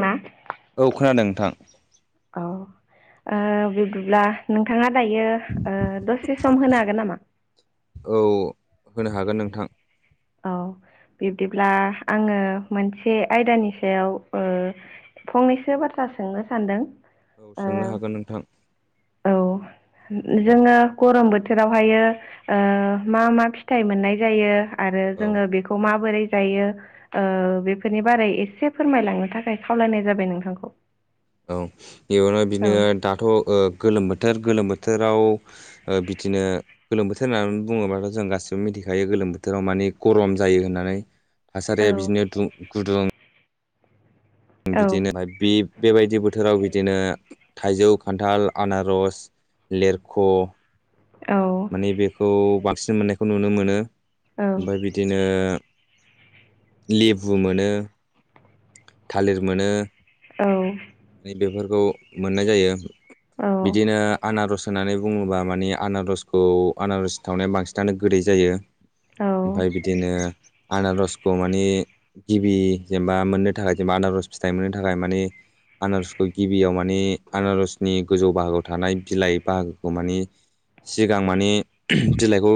ना औ खोनादों नोंथां। औ। ओ बिदिब्ला नोंथाङा दायो दसे सम होनो हागोन नाम? औ होनो हागोन नोंथां, औ, बिब्दिब्ला आङो मोनसे आयदानि सायाव ओ फंनैसो बाथ्रा सोंनो सानदों? औ सोंनो हागोन नोंथां, औजोङो औ गरम बोथोर बोथोरावहायो मा मा फिथाइ मोननाय जायो। आरो औ जोङो बेखौ माबोरै जायो ओ बेफोरनि बारै एसे फोरमायलांनो थाखाय खावलायनाय जाबाय नोंथांखौ, ! औ बेयावनो बिदिनो दाथ' गोलोम बोथोर बोथोर गोलोम बोथोराव बिदिनो गोलोम बोथोर होननानै बुङोबाथ' जों गासिबो मिथिखायो गोलोम बोथोराव माने गरम जायो होननानै औ थासारिया बिदिनो गुदुं आं औ बिदिनोहाय बि बेबायदि बोथोराव बिदिनो थाइजौ खान्थाल आनार'स लेरख' औ माने बेखौ बांसिन मोननायखौ नुनो मोनो ओमफ्राय बिदिनो, लेबु मोनो थालिर मोनो औ। माने बेफोरखौ मोननाय जायो औ बिदिनो आनारस होननानै बुङोब्ला माने आनारसखौ आनारस थावनाया बांसिनानो गोदै जायो औ ओमफ्राय बिदिनो आनारसखौ माने गिबि जेनेबा मोननो थाखाय जेनबा आनारस फिथाइ मोननो थाखाय मानि आनारसखौ गिबियाव माने आनारसनि गोजौ बाहागोआव थानाय बिलाइ बाहागोखौ माने सिगां माने बिलाइखौ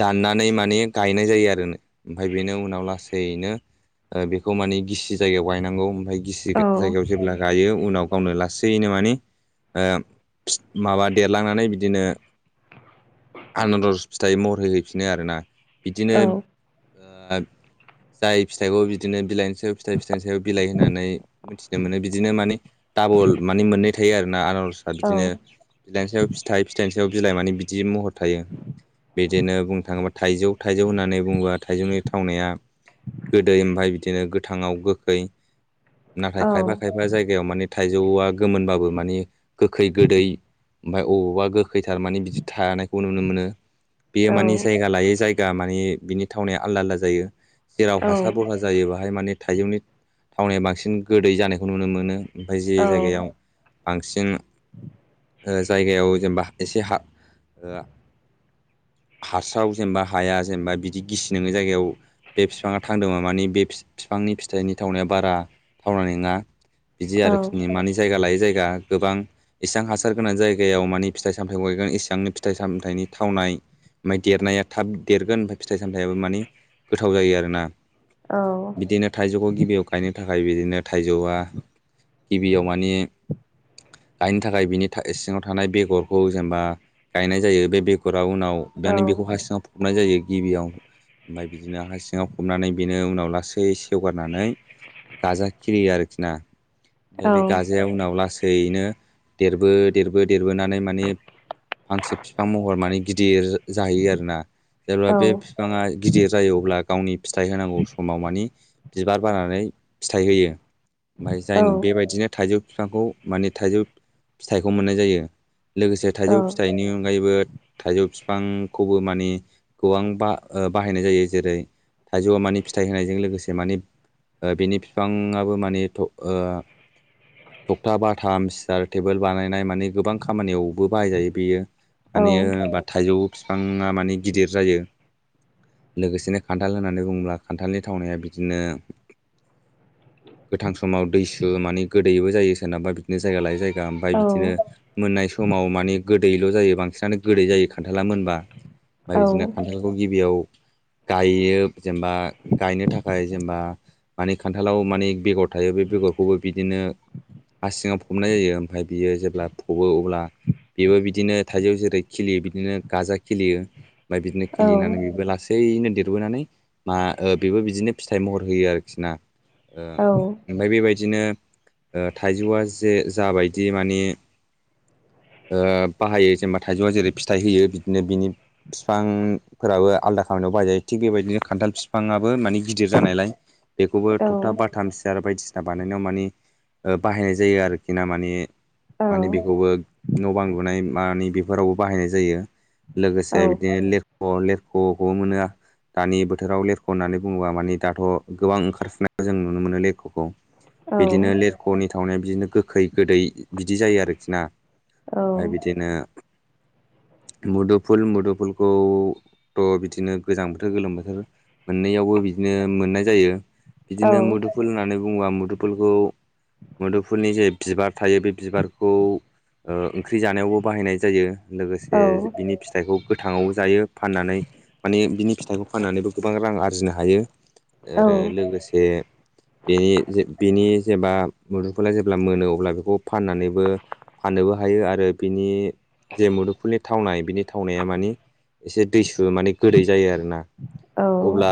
दाननानै माने गायनाय जायो आरो ओमफाय बेनि उनाव लासैनो ओ बेखौ माने गिसि जायगायाव गायनांगौ। ओमफाय गिसि औ जायगायाव जेब्ला गायो उनाव गावनो लासै सैनो माने माबा देरलांनानै बिदिनो आनारस फिथाइ महरै हैैफिनो आरोना बिदिनो औ ओ जाय फिथाइखौ बि दिनो बिलाइनि सायाव फिथाइ फिथाइनि सायाव बिलाइ होननानै मिथिनो मोनो बिदिनो मानि डाबल माने मोननै था थायो आरोना आनारसा औ बिदिनो बिलाइनि सायाव फिथाइ फिथाइनि सायाव बिलाइ माने बिदि महर थायो। बिदिनो बुंनो थाङोबा थाइजौ, थाइजौ होननानै बुङोबा थाइजौनि थावनाया गोदै ओमफाय बिदिनो गोथाङाव गोखै, नाथाय औ खायफा खायफा जायगायाव माने थाइजौआ गोमोनबाबो माने गोखै गोदै ओमफाय अबावबा गोखैथार माने बिदि थानायखौ नुनो मोनो। औ बेयो माने जायगा लायै जायगा माने बिनि थावनाया आलदा आलदा जायो जेराव हासार बरहा जायो बाहाय माने थाइजौनि थावनाया बांसिन गोदै जानायखौ नुनो मोनो। ओमफाय जे जायगायाव बांसिन ओ जायगायाव जेनेबा एसे हा ओ हास्राव जेनेबा हाया जेनेबा बिदि गिसि नोङै जायगायाव बे बिफाङा थांदोंबा माने बे फि-फिफांनि फिथाइनि थावनाया बारा थावनाय नङा बिदि आरोखि माने जायगा लायै जाय गा गोबां इसेबां हासार गोनां जायगायाव माने फिथाइ सामथाइखौ गायगोन इसिबांनो फिथाइ सामथाइनि थावनाय ओमफाय देरनाया थाब देरगोन ओमफिय फिथाइ सामथायाबो माने गोथाव जायो आरोना‌ बिदिनो थाइजौखौ गिबियाव गायनो थाखाय बिदिनो थाइजौआ गिबियाव माने गायनो थाखाय बिनि था सिङाव थानाय बेगरखौ जेनेबा गायनाय जायो। बे बेगरा उनाव दानि बेखौ हा सिङाव फबनाय जायो गिबियाव। ओमफ्राय बिदिनो हा सिङाव फबनानै बि दिनो उनाव लासै सेवगारनानै गाजा खिलियो आरोखि ना। ओमफाय बे गाजाया उनाव लासैनो देरबो देरबो देरबोनानै माने फांसे फिफां महर माने गिदिर जा-जाहैयो आरोना। जेब्ला बे फिफाङा गिदिर जायो अब्ला गावनि फिथाइ होनांगौ समाव मानि बिबार बारनानै फिथाइ होयो। ओमफाय जाय बेबायदिनो थाइजौ बिफांखौ माने थाइजौ फिथाइखौ मोननाय जायो। लोगोसे थाइजौ फिथाइनि अनगायैबो थाइजौ बिफांखौबो माने गोबां बा बाहायनाय जायो जेरै थाइजौ मानि फिथाइ होनायजों लोगोसे माने बिनि बिफाङाबो माने ओ थखथा, बाथाम, सियार, टेबोल बानायनाय माने गोबां खामानियावबो बाहायजायो बेयो। माने ओ बा थाइजौ बिफाङा माने गिदिर जायो। लोगोसेनो खान्थाल होननानै बुङोब्ला खान्थालनि थावनाया बिदिनो गोथां समाव दैसु माने गोदैबो जायो सोरनाबा बिदिनो जायगा लायो जाय गा ओमफाय बिदिनो मोननाय समाव माने गोदैल' जायो। बांसिनानो गोदै जायो खान्थाला मोनबा। ओमफाय बिदिनो खान्थालखौ गिबियाव गायो जेनेबा गायनो थाखाय जेनेबा माने खान्थालाव माने बेगर थायो बे बेगरखौबो बिदिनो हा सिङाव फबनाय जायो। ओमफ्राय बियो जेब्ला फबो अब्ला बेबो बिदिनो थाइजौ जेरै खिलियो बिदिनो गाजा खिलियो। ओमफाय बिदिनो खिलिनानै बेबो लासैनो देरबोनानै मा ओ बेबो बिदिनो फिथाइ महर होयो आरोखिना। ओ ओमफाय बेबाय बिदिनो ओ थाइजौआ जे जाबायदि माने ओ बाहायो जेनेबा थाइजौआ जेरै फिथाइ होयो बिदिनो बिनि बिफांफोराबो आलदा खालामनायाव बाहायजायो। थिग बेबायदिनो खान्थाल फि बिफाङाबो माने गिदिर जानायलाय बेखौबो थखथा, बाथाम, सियार बायदिसिना बानायनायाव माने ओ बाहायनाय जायो आरोखि ना माने माने बेखौबो न' बां लुनाय मानि बेफोरावबो बाहायनाय जायो। लोगोसे बिदिनो लेरख' लेर ख' खौबो मोनो दानि बोथोराव। लेर ख' होननानै बुङोबा मानि दाथ' गोबां ओंखारफुनाय जों नुनो मोनो लेरख'खौ। बिदिनो लेरख'नि थावनाय बिदिनो गोखै गोदै बिदि जायो आरोखि ना ओमफाय बिदिनो [inaudible] मुदुफुल मुदुफुलखौथ' बिदिनो गोजां बोथोर गोलोम बोथोर मोननैयावबो बिदिनो मोननाय जायो बिदिनो मुदुफुल होननानै बुङोबा मुदुफुलखौ मोदुफनि जे बिबार थायो बे बिबारखौ ओंख्रि जानायावबो बाहायनाय जायो लोगोसे बिनि फिथाइखौ गोथाङाव जायो फाननानै माने बिनि फिथाइखौ फाननानैबो गोबां रां आरजिनो हायो आरो लोगोसे बेनि बेनि जेब्ला मुदुफला जेब्ला मोनो अब्ला बेखौ फाननानैबो फाननोबो हायो आरो बिनि जे मुदुफुलनि थावनाय बिनि थावनाया मानिे एसे दैसु माने गोदै जायो आरोना। अब्ला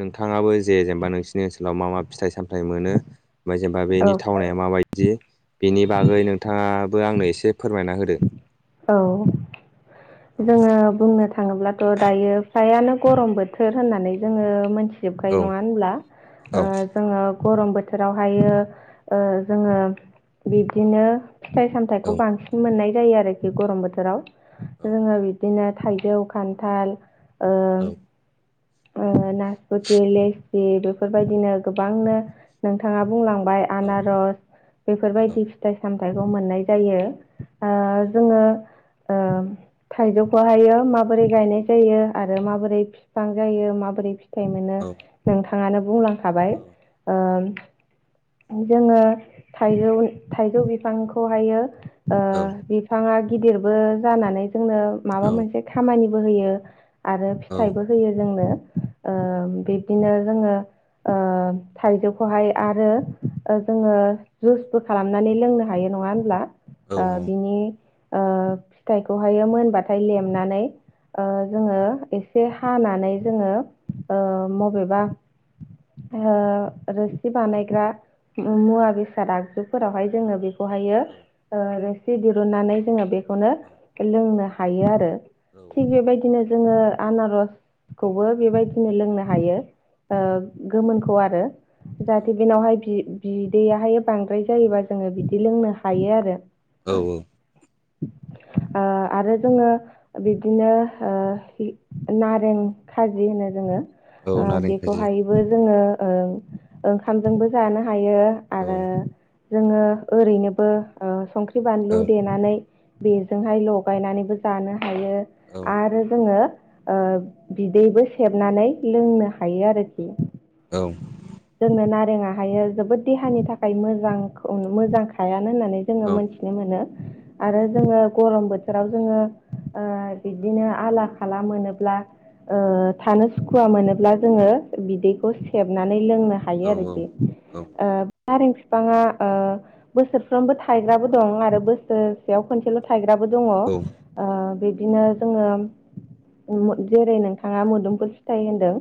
नोंथाङाबो जे जेनेबा नोंसिनि ओनसोलाव मा मा फिथाइ सामथाय मोनो ओमफाय जेनेबा औ बेनि थावनाया माबायदि बि बिनि बागै नोंथाङाबो आंनो एसे फोरमायना होदो। औ, जोङो बुंनो थाङोब्लाथ' दायो फिसायानो गरम बोथोर होननानै जोङो मोन जोबखायो औ नङा होमबा औ जों गर्म बो बोथोरावहायो ओ जोङो बिब्दिनो फिथाइ-सामथायाइखौ बांसिन मोननाय जायो आरोखि गरम बोथोराव औ जोङो बि दिनो थाइजौ खान्थाल ओ ओ ना पथि, लेसि बेफोरबायदिनो गोबांनो नोंथाङा बुंलांबाय आनारस बेफोरबायदि फिथाइ-साम थाइखौ मोननाय जायो। ओ जोङो ओ थाइजौखौहायो माबोरै गायनाय जायो आरो माबोरै बिफां जायो माबोरै फि थाइमाननो नोंथाङानो बुंलांखाबाय ओ जोङो थाइजौ थाइजौ बिफांखौहायो ओ बिफाङा गिदिरबो जानानै जोंनो माबा मोनसे खामानि बोहो आरो औ फिथाइबो होयो जोंनो ओ बि दिनो जोङो ओ थाइजौखौहाय आरो ओ जोङो जुइसबो खालामनानै लोंनो हायो नङा होनब्ला ओ बिनि ओ फिथाइखौहाय मोनबाथाय लेमनानै ओ जोङो एसे हानानै जोङो ओ मबेबा ओ रोसि बानायग्रा मुवा-बेसाद आगजुफोरावहाय जोङो बे खौहायो औ ओ रोहित दिरुुननानै जोङो बेखौनो लोंनो हायो आरो थिग बेबायदिनो जोङो आनारसखौबो बेबायदिनो लोंनो हायो। ओ गोमोनखौ आरो जाहाथे बेनावहाय बि बिदैयहाय बांद्राय जायोबा जोङो बिदि लोंनो हायो आरो औ औ ओ आरो जोङो बिदिनो ओ नारें खाजि होनो जोङो ओ औ नारें खाजि बेखौहायबो जोङो ओ ओंखामजोंबो जानो हायो औ आरो जोङो ओरैनोबो ओ संख्रि, बानलु औ देनानै बेजोंहाय लगायनानैबो जानो हायो औ आरो जोङो ओ बिदैबो सेबनानै लोंनो हायो आरोखि जोंनो ना रेङाहायो जोबोद देहानि थाखाय मोजांखौ मोजांखाया होननानै जोङो औ मोनथिनो मोन आरो जों गरम बोथोराव जोङो ओ बिदिनो आला खाला मोनोब्ला ओ थानो सुखुवा मोनोब्ला जोङो बिदैखौ सेबना नो हायो आरोखि नारें बिफाङा ओ बोसोरफ्रोमबो थायग्राबो दं आरो बोसोर सेयाव खनसेल' थायग्राबो दङ ओ बिदिनो जोङो जेरै नोंथाङा मोदोमफोर फिथाइ होनदों।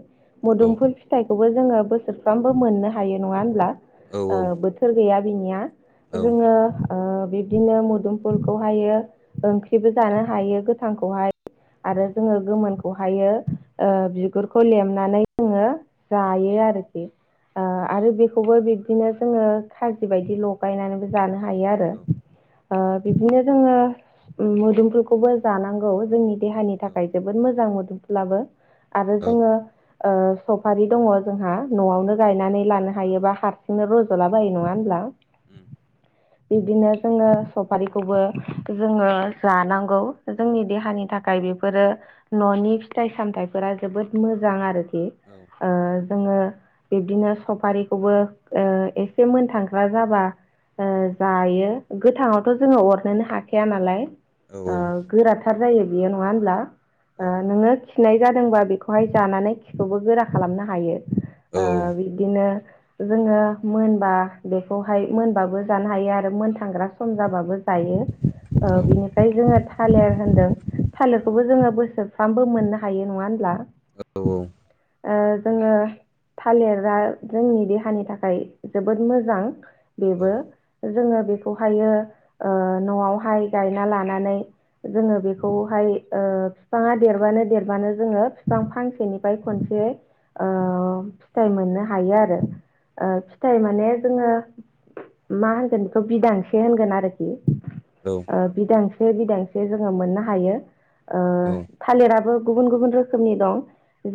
मोदोमफुल फिथाइखौबो जोङो बोसोरफ्रामबो मोननो हायो नङा होनोमब्ला ओ बोथोर गैया बिनिया जोङो ओ बिब्दिनो मोदोम फुलखौ हायो ओंख्रिबो जानो हायो गोथांखौहाय आरो जोङो गोमोन खौहायो ओ बिगुरखौ लेमनानै जोङो जायो आरोखि ओ आरो बेखौबो बिब्दिनो जोङो खाजि बायदि लगायनानैबो जानो हायो आरो ओ बिदिनो जोङो मोदोमफुल खौबो जानांगौ जोंनि देहानि थाखाय जोबोद मोजां मोदोमफुलाबो आरो जोङो ओ सफारि दङ जोंहा न'आवनो गायनानै लानो हायोबा हारसिंनो रज'ला बायो नङा होनब्ला उ बिदिनो जोङो स फारिखौबो जोङो जानांगौ जोंनि देहानि थाखाय बेफोरो न'नि नि फिथाइ सामथाइफोरा जोबोद मोजां आरोखि ओ जोङो बिब्दिनो सफारिखौबो ओ एसे मोनथांग्रा जाबा ओ जायो गोथाङाव थ' जोङो अरनोनो हाखाया नालाय गोराथार जायो बियो नङा होनोमब्ला? ओ नोङो खिनाय जादोंबा बेखौहाय जानानै खिखौबो गोरा खालामनो हायो। ओ बिदिनो जोङो मोनबा बेखौहाय मोनबाबो जानो हायो आरो मोन थांग्रा सम जाबाबो जायो। ओ बिनिफ्राय जोङो थालिर होनदों थालिर बेखौबो जोङो बोसोरफ्रामबो मोननो हायो नङा होनब्ला? औ औ ओ जोङो थालिरा जोंनि देहानि थाखाय जोबोद मोजां बेबो जोङो बेखौ हायो ओ नआवहाय गायना लानानै जोङो बेखौहाय ओ बिफाङा देरबानो देरबानो जोङो बिफां फांसेनिफ्राय खनसे ओ फिथाइ मोननो हायो आरो। ओ फिथाइ माने जोङो मा होनगोन बेखौ बिदां गोन आरोखि औ ओ बिदांसे -बिदांसे जोङो मोननो हायो ओ थालिराबो गुबुन गुबुन रोखोमनि दं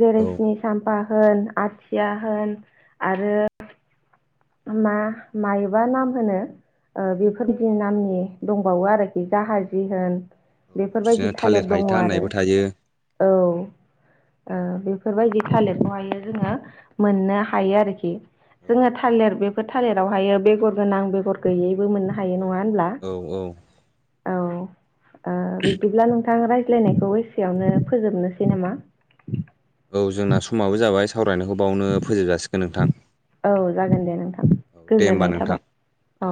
जेरै औ स्नि साम्फा होन आथिया होन आरो मा मायोबा नाम होनो ओ बेफोरबायदि नामनि दंबावो आरोखि जाहाजि होन बेफोरबायदि बिदिनो थालिर दङ हायथा आरो। होननायबो थायो औ, ओ औ बेफोरबायदि थालिरखौ हायो जोङो मोननो हायो आरोखि जोङो थालिर बे बेफोर थालिरावहायो बेगर गोनां बेगर गैयैबो मोननो हायो औ नङा होनब्ला? औ औ औ ओ बिदिब्ला नों थां रायज्लायनायखौ एसेयावनो फोजोबनोसै नामा? औ जोंना समाबो जाबाय। सावरायनायखौ बावनो फोजोब जाासिगोन नोंथां। औ जागोन दे नोंथां [inaudible] औ दे होमबा गोजोननाय नोंथां। थाबाय औ